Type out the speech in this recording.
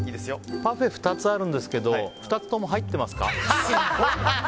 パフェ２つあるんですけど２つとも入ってますか？